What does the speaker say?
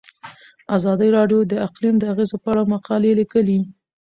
ازادي راډیو د اقلیم د اغیزو په اړه مقالو لیکلي.